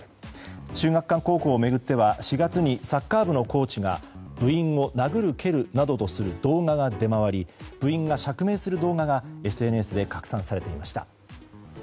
秀岳館高校を巡っては４月にサッカー部のコーチが部員を殴る蹴るなどする動画が出回り部員が釈明する動画がＳＮＳで拡散されていました。